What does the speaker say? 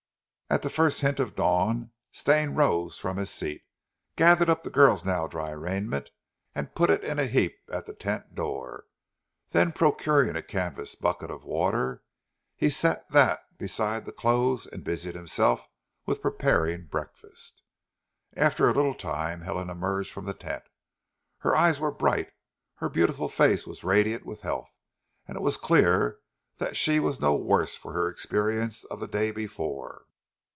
At the first hint of dawn, Stane rose from his seat, gathered up the girl's now dry raiment, and put it in a heap at the tent door, then procuring a canvas bucket of water he set that beside the clothes and busied himself with preparing breakfast. After a little time Helen emerged from the tent. Her eyes were bright, her beautiful face was radiant with health, and it was clear that she was no worse for her experience of the day before.